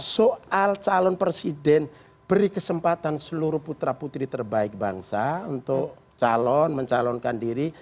soal calon presiden beri kesempatan seluruh putra putri terbaik bangsa untuk calon mencalonkan diri